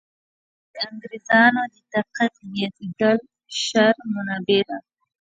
د انګرېزانو د طاقت زیاتېدل شر منبع ده.